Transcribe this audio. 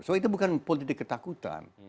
so itu bukan politik ketakutan